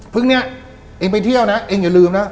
เนี่ยเองไปเที่ยวนะเองอย่าลืมนะ